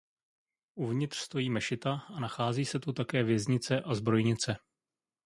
Uvnitř stojí mešita a nachází se tu také věznice a zbrojnice.